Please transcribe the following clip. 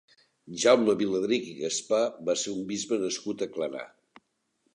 Jaume Viladrich i Gaspar va ser un bisbe nascut a Clarà.